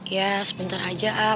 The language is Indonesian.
ya sebentar aja a'a